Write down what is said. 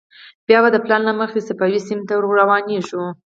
بیا به د پلان له مخې صفوي سیمې ته روانېږو.